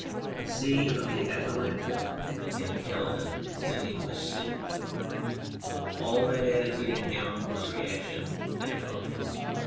The sea of the Atalanta in Calydon is an English sea. All that attitude in him was reaction and a protest.